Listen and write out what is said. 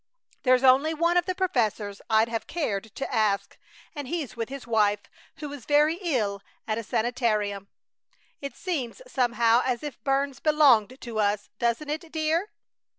There's only one of the professors I'd have cared to ask, and he's with his wife, who is very ill at a sanitarium. It seems somehow as if Burns belonged to us, doesn't it, dear?